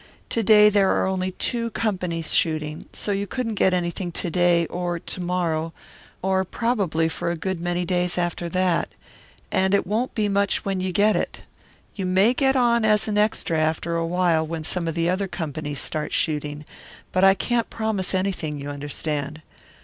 To day there are only two companies shooting. So you couldn't get anything to day or to morrow or probably for a good many days after that, and it won't be much when you get it. You may get on as an extra after a while when some of the other companies start shooting, but I can't promise anything, you understand.